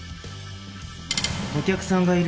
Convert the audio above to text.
お客さんがいる。